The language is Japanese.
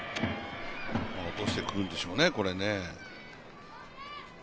落としてくるんでしょうね、これ。